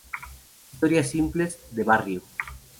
Historias simples, de barrio.